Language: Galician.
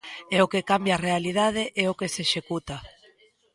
E o que cambia a realidade é o que se executa.